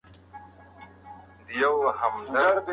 د ښار وضعیت ورو ورو ثبات وموند.